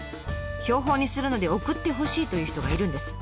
標本にするので送ってほしいという人がいるんです。